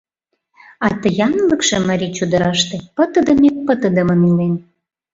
А ты янлыкше марий чодыраште пытыдыме-пытыдымын илен.